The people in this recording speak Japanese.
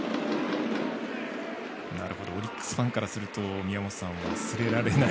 オリックスファンからすると忘れられない